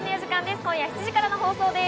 今夜７時からの放送です。